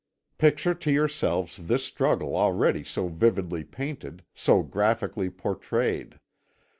"Picture to yourselves this struggle already so vividly painted, so graphically portrayed.